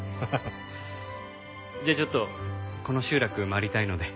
じゃあちょっとこの集落回りたいので。